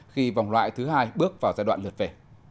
khi vòng loại thứ hai bước vào giai đoạn lượt về